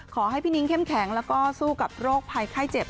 ขอให้พี่นิ้งเข้มแข็งแล้วก็สู้กับโรคภัยไข้เจ็บ